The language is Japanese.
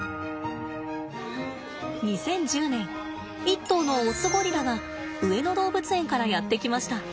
２０１０年１頭のオスゴリラが上野動物園からやって来ました。